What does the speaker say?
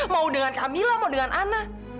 mau dengan camillah mau dengan ana